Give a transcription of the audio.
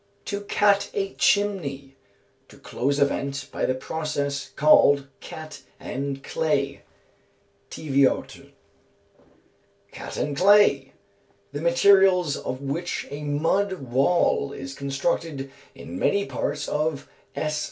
To Cat a Chimney. To enclose a vent by the process called Cat and Clay (Teviotd.). Cat and Clay. The materials of which a mud wall is constructed in many parts of S.